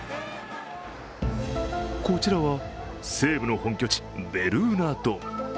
こちらは西武の本拠地、ベルーナドーム。